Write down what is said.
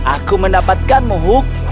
aku mendapatkanmu hook